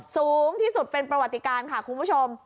สูงที่สุดเป็นประวัติการค่ะคุณผู้ชม